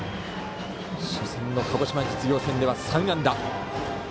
初戦の鹿児島実業戦では３安打。